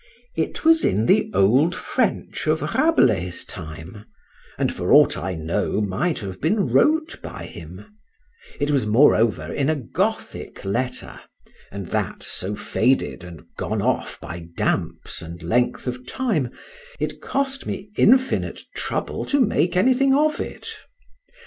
It was in the old French of Rabelais's time, and for aught I know might have been wrote by him:—it was moreover in a Gothic letter, and that so faded and gone off by damps and length of time, it cost me infinite trouble to make anything of it.